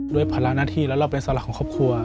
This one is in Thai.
ด้วยพลังหน้าที่แล้วเราเป็นสาระของครอบครัว